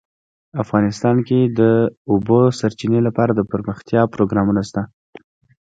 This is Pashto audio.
افغانستان کې د د اوبو سرچینې لپاره دپرمختیا پروګرامونه شته.